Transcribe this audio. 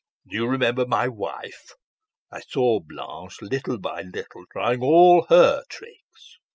Do you remember my wife? I saw Blanche little by little trying all her tricks.